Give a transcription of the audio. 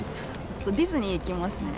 ディズニー行きますね。